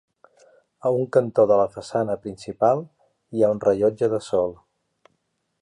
A un cantó de la façana principal hi ha un rellotge de sol.